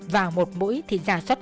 vào một mũi thì giả soát